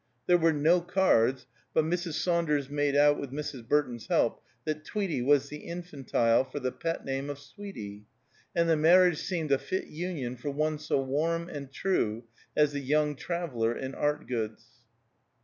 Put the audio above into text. There were "No Cards," but Mrs. Saunders made out, with Mrs. Burton's help, that Tweety was the infantile for the pet name of Sweety; and the marriage seemed a fit union for one so warm and true as the young traveller in art goods.